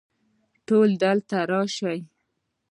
ټول دلته راشئ